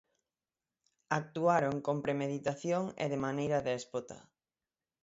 Actuaron con premeditación e de maneira déspota.